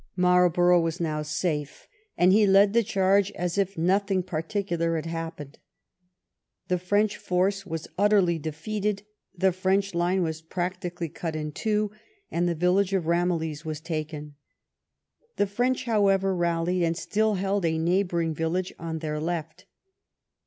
Marlborough was now safe, and he led the charge as if nothing particular had happened. The French force was utterly defeated, the French line was practically cut in two, and the village of Ramillies was taken. The French, however, rallied, and still held a neighboring village on their left.